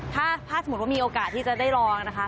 ถ้าสมมุติว่ามีโอกาสที่จะได้ลองนะคะ